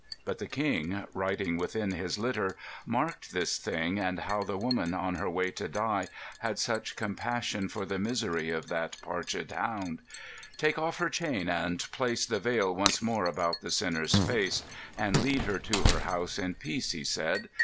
But the King, Riding within his litter, marked this thing, And how the woman, on her way to die Had such compassion for the misery Of that parched hound: "Take off her chain, and place The veil once more about the sinner's face, And lead her to her house in peace!" he said.